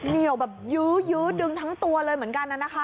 เหนียวแบบยื้อดึงทั้งตัวเลยเหมือนกันน่ะนะคะ